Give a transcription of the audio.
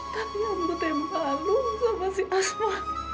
tapi ambo tuh yang malu sama si asma